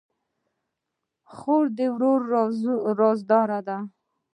خور د ورور رازدار ده.